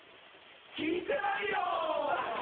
聞いてないよー。